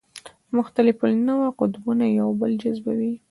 مختلف النوع قطبونه یو بل جذبوي.